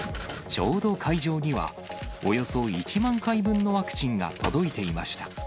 ちょうど会場には、およそ１万回分のワクチンが届いていました。